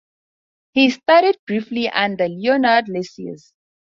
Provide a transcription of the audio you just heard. He studied briefly under Leonard Lessius.